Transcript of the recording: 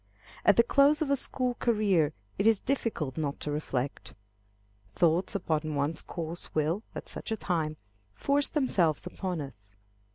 At the close of a school career it is difficult not to reflect. Thoughts upon one's course will, at such a time, force themselves upon us.